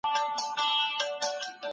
هغه خپل حاکمیت ښکاره کړ.